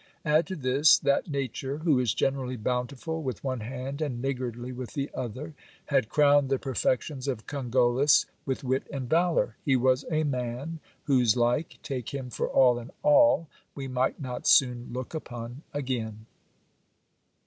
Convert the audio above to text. Add to this, that nature, who is generally bountiful with one hand and niggardly with the other, had crowned the perfections of Cogollos with wit and valour. He was a man, whose like, take him for all in all, we might not soon look upon again.